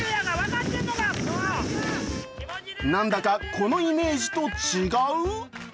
なんだかこのイメージと違う？